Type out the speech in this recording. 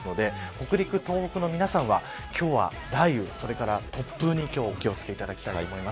北陸、東北の皆さんは今日は雷雨それから突風にお気を付けください。